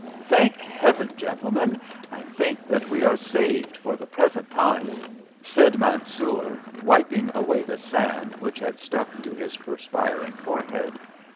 "Thank Heaven, gentlemen, I think that we are saved for the present time," said Mansoor, wiping away the sand which had stuck to his perspiring forehead.